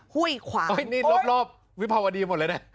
หุ้ยขวางโอ๊ยนี่รอบวิภาวดีอยู่หมดแล้วเนี่ย